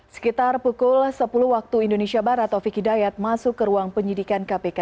sekitar pukul sepuluh waktu indonesia barat taufik hidayat masuk ke ruang penyidikan kpk